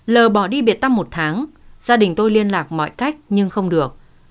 lờ bỏ đi biệt tâm một tháng gia đình tôi liên lạc mọi cách nhưng không được